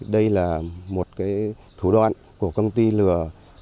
đây là một thủ đoạn của công ty lừa